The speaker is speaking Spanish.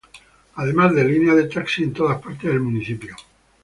Además de líneas de taxis en todas partes del municipio.